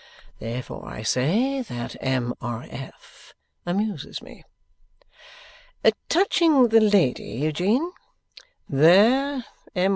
Therefore I say that M. R. F. amuses me.' 'Touching the lady, Eugene.' 'There M.